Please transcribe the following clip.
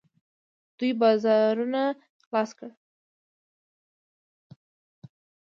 دوی بازارونه خلاص کړل.